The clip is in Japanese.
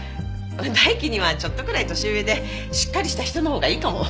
大樹にはちょっとくらい年上でしっかりした人のほうがいいかも。